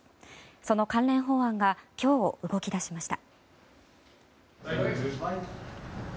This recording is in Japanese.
その関連法案が今日動き出しました。